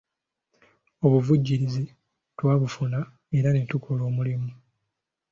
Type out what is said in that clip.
Obuvujjirizi twabufuna era ne tukola omulimu.